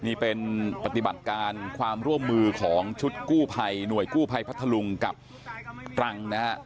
นี่เป็นปฏิบัติการความร่วมมือของชุดกู้ภัยหน่วยกู้ภัยพัทธลุงกับตรังนะฮะ